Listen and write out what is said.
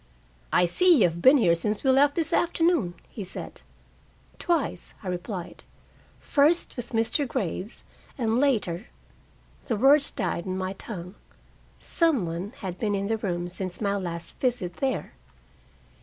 "I see you have been here since we left this afternoon," he said. "Twice," I replied. "First with Mr. Graves, and later " The words died on my tongue. Some one had been in the room since my last visit there.